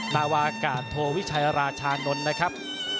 นาวากาศโทวิชัยราชานนท์นะครับ